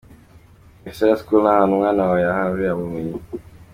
Excella School ni ahantu umwana wawe yarahurira ubumenyi.